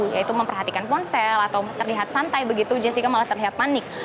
yaitu memperhatikan ponsel atau terlihat santai begitu jessica malah terlihat panik